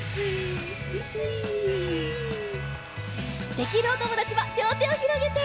できるおともだちはりょうてをひろげて！